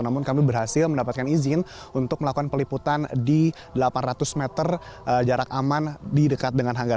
namun kami berhasil mendapatkan izin untuk melakukan peliputan di delapan ratus meter jarak aman di dekat dengan hanggar